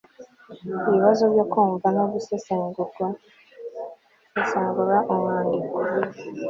ibibazo byo kumva no gusesenguraumwandiko